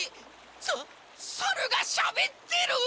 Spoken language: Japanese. ささるがしゃべってる！？